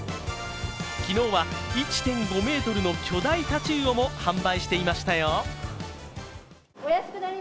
昨日は１．５ｍの巨大タチウオも販売していましたよ。